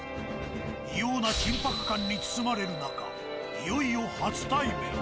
異様な緊迫感に包まれる中いよいよ初対面。